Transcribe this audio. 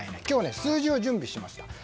今日は数字を準備しました。